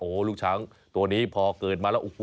โอ้ลูกช้างตัวนี้พอเกิดมาแล้ว